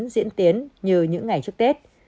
diễn tiến như những ngày trước tết